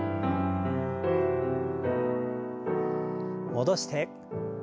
戻して。